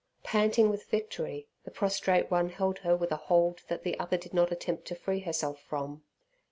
Panting with victory, the prostrate one held her with a hold that the other did not attempt to free herself from.